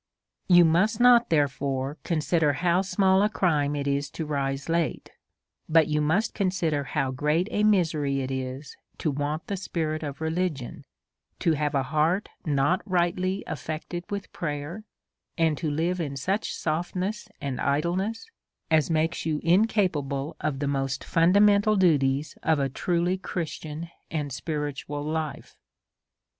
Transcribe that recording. You must not therefore consider how small a crime it is to rise late, but you must consider how great a misery it is to want the spirit of religion ; to have a heart not rightly affected v/ith prayer ; and to live in such softness and idleness, as makes you incapable of the most fundamental duties of a truly Christian and spiritual life.